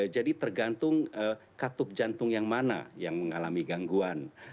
jadi tergantung katup jantung yang mana yang mengalami gangguan